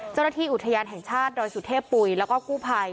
เจ้าหน้าที่อุทยานแห่งชาติดอยสุเทพปุ๋ยแล้วก็กู้ภัย